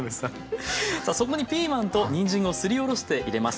さあそこにピーマンとにんじんをすりおろして入れます。